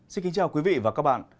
xin kính chào quý vị và các bạn